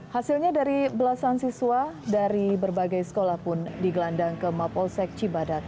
hasilnya dari belasan siswa dari berbagai sekolah pun digelandang ke mapolsek cibadak